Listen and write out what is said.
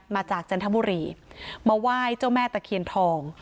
จันทบุรีมาไหว้เจ้าแม่ตะเคียนทอง